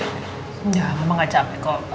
ya mama gak capek kok